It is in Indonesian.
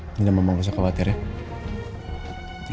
ini udah mama gak usah khawatir ya